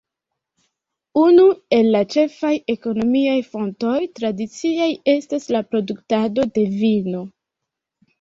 Unu el la ĉefaj ekonomiaj fontoj tradiciaj estas la produktado de vino.